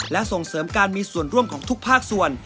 และส่งเสริมการมีส่วนร่วมของทุกภาคส่วน